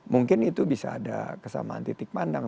mungkin itu bisa ada kesamaan titik pandang